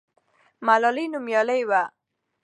ملالۍ نومیالۍ وه.